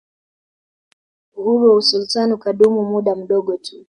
Uhuru wa usultani ukadumu muda mdogo tu